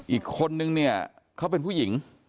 อีกคนนึงเนี่ยเขาเป็นผู้หญิง